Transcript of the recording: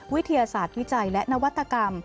วิทยาศาสตร์วิจัยและนวัตกรรม